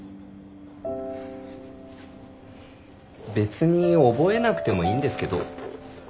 別に覚えなくてもいいんですけど。